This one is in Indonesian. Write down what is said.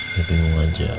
ya bingung aja